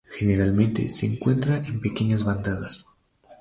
Generalmente se encuentra en pequeñas bandadas.